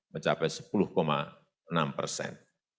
mencapai sepuluh enam persen